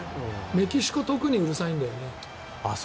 メキシコ特にうるさいんだよね。